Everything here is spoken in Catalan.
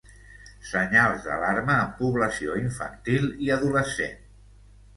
Senyals d'alarma en població infantil i adolescent.